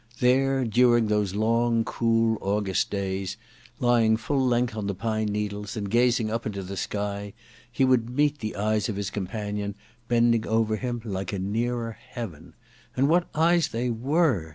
There, during the long cool August days, lying full length on the pine needles and gazing up into the sky, he would meet the eyes of his com panion bending over him like a nearer heaven. And what eyes they were